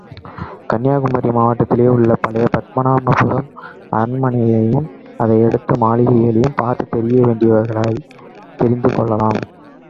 கன்யாகுமரி மாவட்டத்திலே உள்ள பழைய பத்மநாபபுரம் அரண்மனையையும் அதையடுத்த மாளிகைகளையும் பார்த்துத் தெரிய வேண்டியவைகளைத் தெரிந்து கொள்ளலாம்.